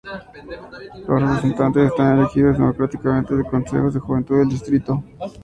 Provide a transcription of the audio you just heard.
Los representantes están elegidos democráticamente de consejos de juventud del distrito.